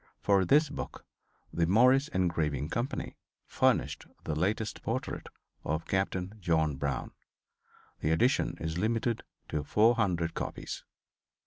For || this book The Maurice Engraving Company furnished the latest || portrait of Captain John Brown. The edition is limited to four || hundred copies.